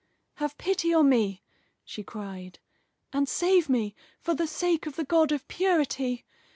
"Have pity on me," she cried, "and save me, for the sake of the God of Purity!